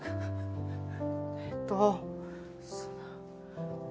えっとその。